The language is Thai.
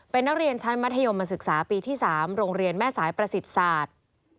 เป็นนักเรียนชั้นมัธยมศึกษาปีที่๓โรงเรียนแม่สายประสิทธิ์ศาสตร์